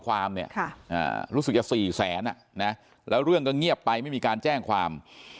ความเนี่ยรู้สึกจะ๔แสนแล้วเรื่องก็เงียบไปไม่มีการแจ้งความ